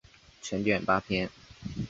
全卷八编。